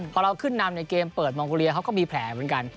พอเราขึ้นนำในเกมเปิดมองโกเลียเขาก็มีแผลเหมือนกัน